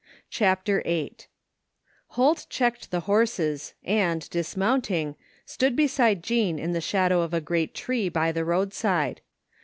CHAPTER VIII Holt checked the horses and, dismounting, stood beside Jean in the shadow of a great tree by the road side.